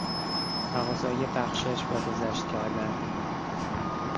تقاضای بخشش و گذشت کردن